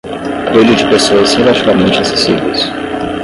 Cuide de pessoas relativamente acessíveis